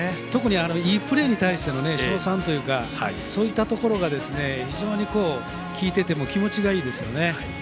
いいプレーに対しての賞賛とかそういったところが非常に聞いていても気持ちがいいですね。